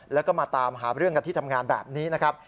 แล้วก็มาตามหาเรื่องกันที่ทำงานแบบนี้นะครับ